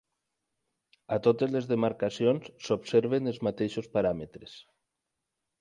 A totes les demarcacions s'observen els mateixos paràmetres.